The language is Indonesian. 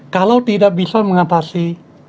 kalau tidak bisa mengatasi